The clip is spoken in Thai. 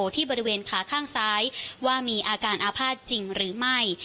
ที่บริเวณขาข้างซ้ายว่ามีอาการอาภาษณ์จริงหรือไม่